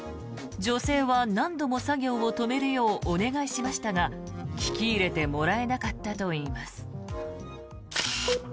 女性は何度も作業を止めるようお願いしましたが聞き入れてもらえなかったといいます。